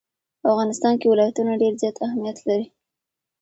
په افغانستان کې ولایتونه ډېر زیات اهمیت لري.